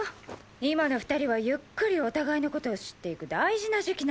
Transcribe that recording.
今の２人はゆっくりお互いの事を知っていく大事な時期なんだから。